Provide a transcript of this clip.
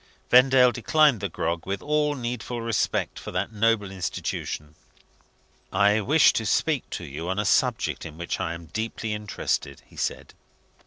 Vendale declined the grog with all needful respect for that noble institution. "I wish to speak to you on a subject in which I am deeply interested," he said.